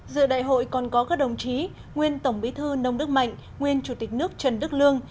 dự đại hội còn có các đồng chí nguyên tổng bí thư nông đức mạnh nguyên chủ tịch nước trần đức lương